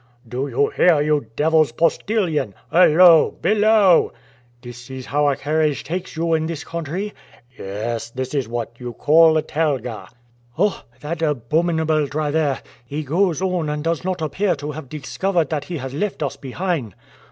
"Do you hear, you devil's postillion! Hullo! Below!" "This is how a carriage takes you in this country!" "Yes, this is what you call a telga!" "Oh, that abominable driver! He goes on and does not appear to have discovered that he has left us behind!"